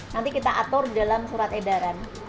nanti kita atur dalam surat edaran